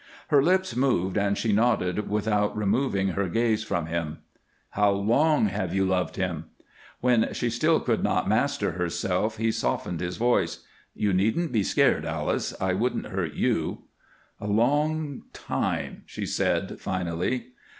Her lips moved, and she nodded without removing her gaze from him. "How long have you loved him?" When she still could not master herself, he softened his voice: "You needn't be scared, Alice. I couldn't hurt you." "A long time," she said, finally.